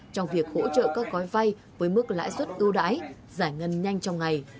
trong việc hỗ trợ các gói vay với mức lãi suất ưu đãi giải ngân nhanh trong ngày